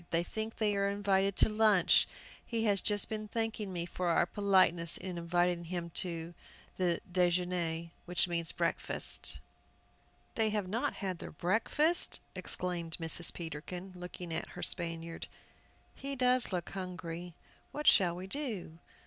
They think they are invited to lunch! He has just been thanking me for our politeness in inviting them to déjeûner, that means breakfast!" "They have not had their breakfast!" exclaimed Mrs. Peterkin, looking at her Spaniard; "he does look hungry! What shall we do?"